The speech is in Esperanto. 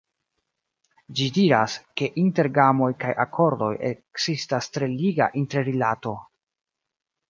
Ĝi diras, ke inter gamoj kaj akordoj ekzistas tre liga interrilato.